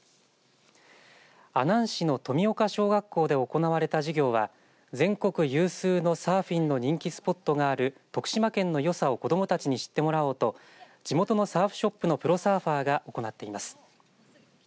阿南市の富岡小学校で行われた授業は全国有数のサーフィンの人気スポットがある徳島県のよさを子どもたちに知ってもらおうと地元のサーフショップのプロサーファーが行っています。